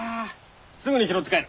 すぐに拾って帰る。